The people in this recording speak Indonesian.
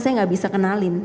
saya tidak bisa kenalin